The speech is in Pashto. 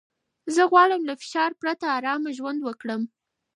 زه غواړم له فشار پرته ارامه ژوند وکړم.